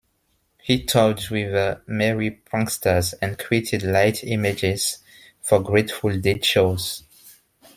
He toured with the Merry Pranksters, and created light images for Grateful Dead shows.